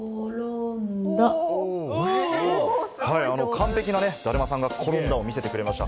完璧なね、だるまさんが転んだを見せてくれました。